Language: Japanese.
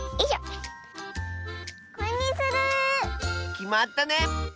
きまったね！